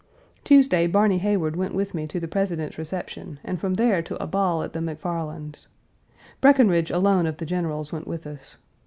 Tuesday, Barny Heyward went with me to the President's reception, and from there to a ball at the McFarlands'. Breckinridge alone of the generals went with us.